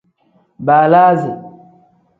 Baalasi.